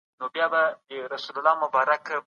سياسي شعور د ازادۍ لومړی ګام دی.